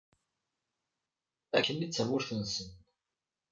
Akken i d tamurt-nsen.